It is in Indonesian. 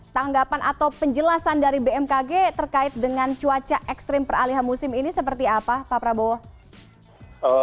tanggapan atau penjelasan dari bmkg terkait dengan cuaca ekstrim peralihan musim ini seperti apa pak prabowo